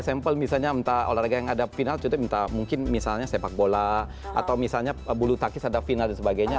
contoh misalnya olahraga yang ada final mungkin misalnya sepak bola atau misalnya bulu takis ada final dan sebagainya